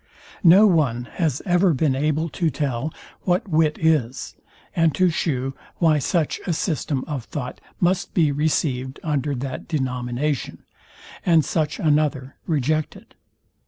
No one has ever been able to tell what wit is, and to shew why such a system of thought must be received under that denomination, and such another rejected.